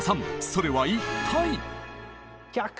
それは一体？